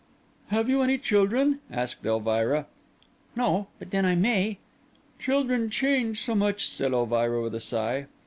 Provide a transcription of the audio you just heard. "Have you any children?" asked Elvira. "No; but then I may." "Children change so much," said Elvira, with a sigh.